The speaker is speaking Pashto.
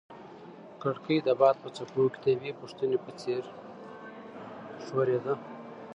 کړکۍ د باد په څپو کې د یوې پوښتنې په څېر ښورېده.